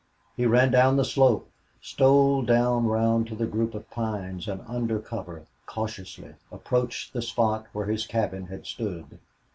He ran down the slope, stole down round to the group of pines, and under cover, cautiously, approached the spot where his cabin had stood.